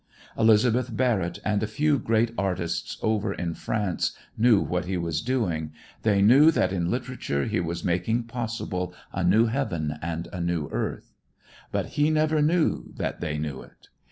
Elizabeth Barrett and a few great artists over in France knew what he was doing, they knew that in literature he was making possible a new heaven and a new earth. But he never knew that they knew it.